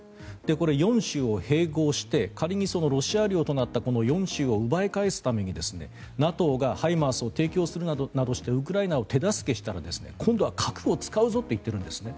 これ、４州を併合して仮にロシア領となったこの４州を奪い返すためにＮＡＴＯがＨＩＭＡＲＳを提供するなどしてウクライナを手助けしたら今度は核を使うぞと言ってるんですね。